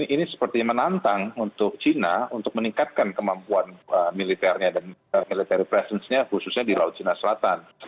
ini seperti menantang untuk cina untuk meningkatkan kemampuan militernya dan military presence nya khususnya di laut cina selatan